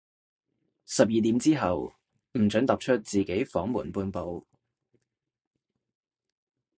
十二點之後，唔准踏出自己房門半步